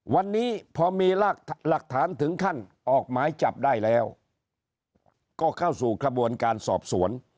วันนี้พอมีหลักฐานถึงขั้นออกหมายจับได้แล้วก็เข้าสู่กระบวนการสอบสวน